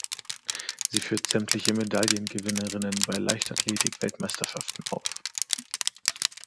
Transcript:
Sie führt sämtliche Medaillengewinnerinnen bei Leichtathletik-Weltmeisterschaften auf.